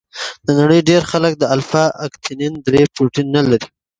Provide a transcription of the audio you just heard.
د نړۍ ډېر خلک د الفا اکتینین درې پروټین نه لري.